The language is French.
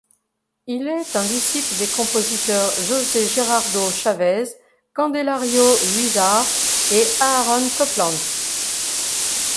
Il est un disciple des compositeurs José Gerardo Chávez, Candelario Huízar et Aaron Copland.